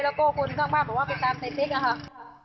แล้วก็คนข้างบ้านเปล่าว่าไปตามในสิกค่ะ